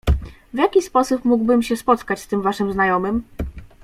"W jaki sposób mógłbym się spotkać z tym waszym znajomym?"